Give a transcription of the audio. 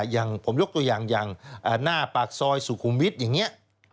อย่างผมยกตัวอย่างอย่างหน้าปากซอยสุขุมวิทย์อย่างนี้